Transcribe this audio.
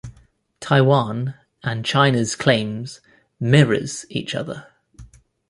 Taiwan and China's claims "mirrors" each other.